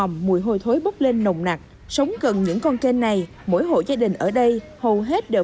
mùi hôi thối bốc lên nồng nặc sống gần những con kênh này mỗi hộ gia đình ở đây hầu hết đều